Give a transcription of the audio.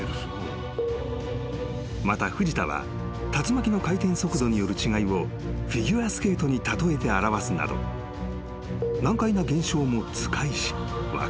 ［また藤田は竜巻の回転速度による違いをフィギュアスケートに例えて表すなど難解な現象も図解し分かりやすく解説した］